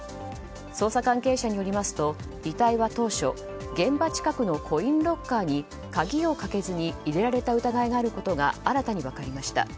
捜査関係者によりますと遺体は当初現場近くのコインロッカーに鍵をかけずに入れられた疑いがあることが新たに分かりました。